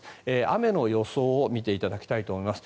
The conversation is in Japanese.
雨の予想を見ていただきたいと思います。